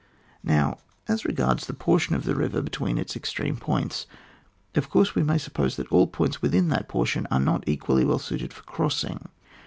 Now, as regards the portion of the Tifer between its extreme points, of course we may suppose that aU points within that portion are not equally well suited for crossing.